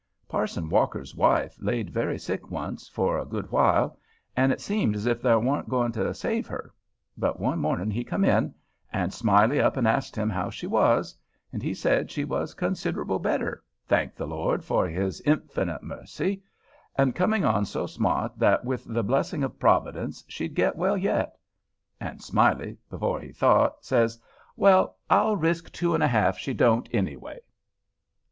Parson Walker's wife laid very sick once, for a good while, and it seemed as if they warn't going to save her; but one morning he come in, and Smiley up and asked him how she was, and he said she was considerable better—thank the Lord for his inf'nit' mercy—and coming on so smart that with the blessing of Prov'dence she'd get well yet; and Smiley, before he thought, says, 'Well, I'll risk two and a half she don't anyway.